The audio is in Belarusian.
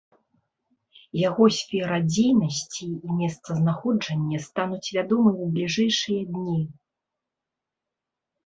Яго сфера дзейнасці і месцазнаходжанне стануць вядомыя ў бліжэйшыя дні.